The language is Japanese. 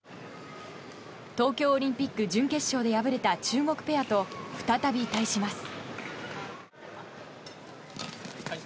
東京オリンピック準決勝で敗れた中国ペアと再び対します。